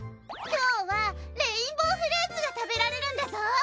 今日はレインボーフルーツが食べられるんだぞ！